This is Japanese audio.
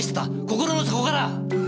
心の底から！